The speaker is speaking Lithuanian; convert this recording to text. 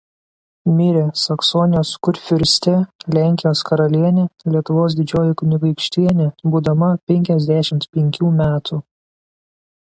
Mirė Saksonijos kurfiurstė–Lenkijos karalienė–Lietuvos didžioji kunigaikštienė būdama penkiasdešimt penkių metų.